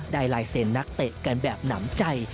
ลายเซ็นนักเตะกันแบบหนำใจ